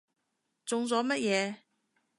中咗乜嘢？